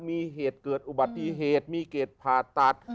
มีเหตุเกิดอุบัติเหตุมีเกรดผ่าตัด